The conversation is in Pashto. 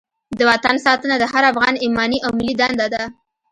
د وطن ساتنه د هر افغان ایماني او ملي دنده ده.